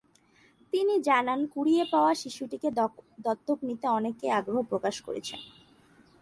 তিনি জানান, কুড়িয়ে পাওয়া শিশুটিকে দত্তক নিতে অনেকেই আগ্রহ প্রকাশ করেছেন।